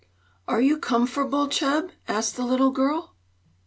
"Are you comferble, Chub?" asked the little girl.